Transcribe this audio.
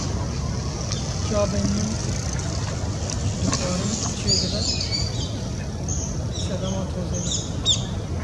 Cavên min dixwarin çêdibe ji sedema tozê be